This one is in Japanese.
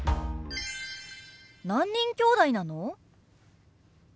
何人きょうだいなの？